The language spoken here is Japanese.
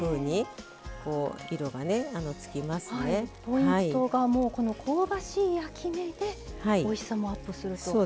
ポイントがこの香ばしい焼き目でおいしさもアップすると。